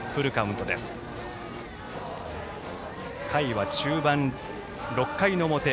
回は中盤、６回の表。